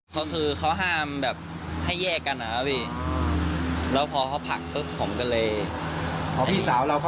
เขาคือเขาห้ามแบบให้แยกกันนะครับพี่